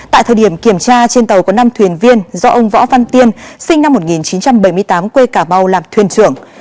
tại thời điểm kiểm tra trên tàu có năm thuyền viên do ông võ văn tiên sinh năm một nghìn chín trăm bảy mươi tám quê cà mau làm thuyền trưởng